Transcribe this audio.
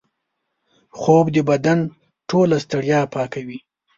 خوب د بدن ټوله ستړیا پاکوي